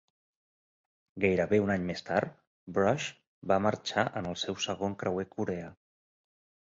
Gairebé un any més tard, "Brush" va marxar en el seu segon creuer coreà.